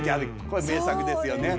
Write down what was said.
これ名作ですよね。